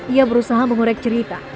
ia berusaha mengorek cerita